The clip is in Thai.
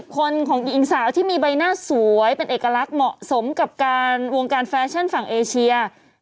คนของหญิงสาวที่มีใบหน้าสวยเป็นเอกลักษณ์เหมาะสมกับการวงการแฟชั่นฝั่งเอเชีย